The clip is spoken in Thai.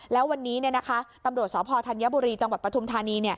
แล้ววันนี้ตำรวจสพธัญบุรีจังหวัดปฐุมธานี